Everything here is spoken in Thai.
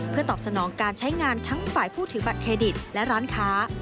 เพื่อตอบสนองการใช้งานทั้งฝ่ายผู้ถือบัตรเครดิตและร้านค้า